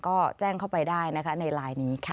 ก็แจ้งเข้าไปได้นะคะในไลน์นี้ค่ะ